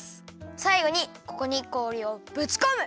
さいごにここに氷をぶちこむ！